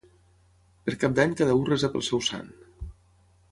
Per Cap d'Any cada u resa pel seu sant.